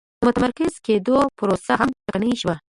د متمرکز کېدو پروسه هم ټکنۍ شوه.